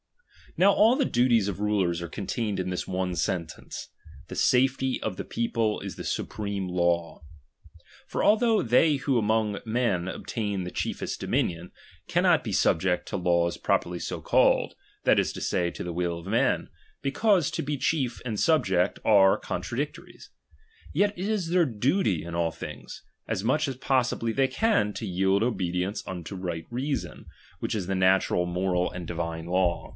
Now all thc dutics of rulers are contained in iiiBiuprHnpifw. this one sentence, the safety of the people is the supreme iaw. For although they who among men obtain the chiefest dominion, cannot be subject to laws properly so called, that is to say, to the will of men, because to be chief and subject, are contradictories ; yet is it their duty in all things, as much as possibly they can, to yield obedience unto right reason, which is the natural, moral, and divine law.